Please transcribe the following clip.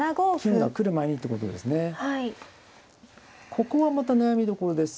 ここはまた悩みどころです。